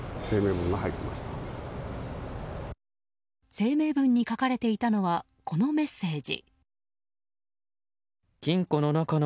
声明文に書かれていたのはこのメッセージ。